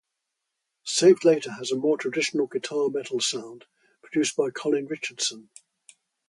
Saved Later has a more traditional guitar-metal sound, produced by Colin Richardson.